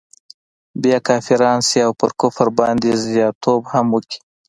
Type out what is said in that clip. بیا کافران سي او پر کفر باندي زیات توب هم وکړي.